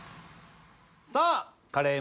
さあカレー